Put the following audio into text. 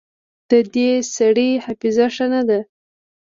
د دې سړي حافظه ښه نه ده